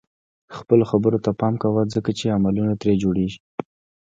خپلو خبرو ته پام کوه ځکه چې عملونه ترې جوړيږي.